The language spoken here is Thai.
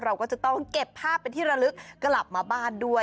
เราก็จะต้องเก็บภาพเป็นที่ระลึกกลับมาบ้านด้วย